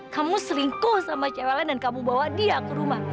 kamu seringku sama cewek lain dan kamu bawa dia ke rumah